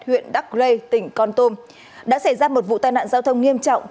huyện đắc lê tỉnh con tôm đã xảy ra một vụ tai nạn giao thông nghiêm trọng